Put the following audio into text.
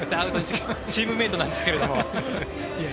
チームメートなんですけど。